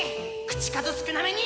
口数少なめに！